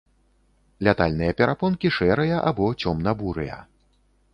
Лятальныя перапонкі шэрыя або цёмна-бурыя.